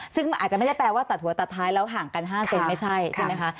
ซึ่งมันอาจจะไม่ได้แปลว่าตัดหัวตัดท้ายแล้วห่างกัน๕เซนไม่ใช่ใช่ไหมคะ